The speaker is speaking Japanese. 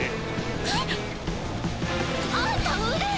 ひっ！あんた腕！